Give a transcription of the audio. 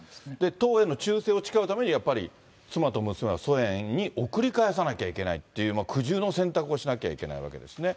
党への忠誠を誓うためにやっぱり妻と娘はソ連に送り返さなきゃいけないっていう、苦渋の選択をしなきゃいけないわけですね。